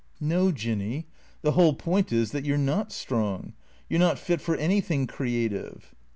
" No, Jinny, the whole point is that you 're not strong. You 're not fit for anything creative."